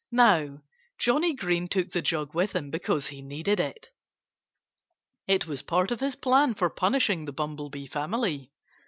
Now, Johnnie Green took the jug with him because he needed it. It was part of his plan for punishing the Bumblebee family.